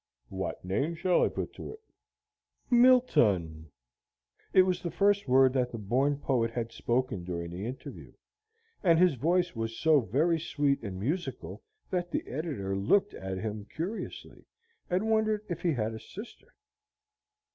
"What name shall I put to it?" asked the editor. "Milton." It was the first word that the born poet had spoken during the interview, and his voice was so very sweet and musical that the editor looked at him curiously, and wondered if he had a sister.